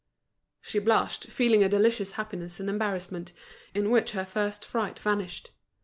She blushed, feeling a delicious happiness and embarrassment, in which her first fright vanished.